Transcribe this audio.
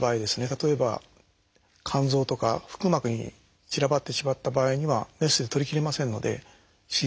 例えば肝臓とか腹膜に散らばってしまった場合にはメスで取りきれませんので手術はできません。